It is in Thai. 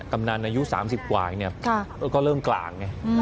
กำลังอายุสามสิบกว่าอย่างเนี่ยค่ะก็เริ่มกล่างไงอืม